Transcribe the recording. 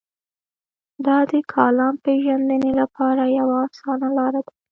دا د کالم پېژندنې لپاره یوه اسانه لار ده.